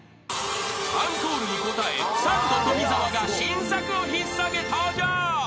［アンコールに応えサンド富澤が新作を引っ提げ登場］